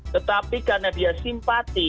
tetapi karena dia simpati